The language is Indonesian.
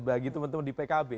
bagi teman teman di pkb